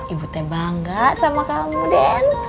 ibu teh bangga sama kamu den